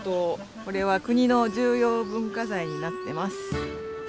これは国の重要文化財になってます。